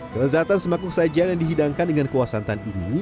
kelezatan semakuk sajian yang dihidangkan dengan kuah santan ini